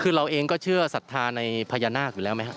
คือเราเองก็เชื่อศรัทธาในพญานาคอยู่แล้วไหมครับ